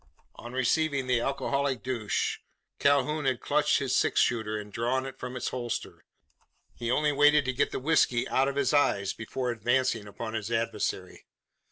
On receiving the alcoholic douche, Calhoun had clutched his six shooter, and drawn it from its holster. He only waited to get the whisky out of his eyes before advancing upon his adversary.